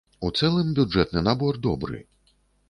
У цэлым бюджэтны набор добры.